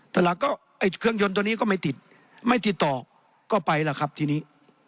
แต่หลังก็ไอ้เครื่องยนต์ตัวนี้ก็ไม่ติดไม่ติดต่อก็ไปล่ะครับทีนี้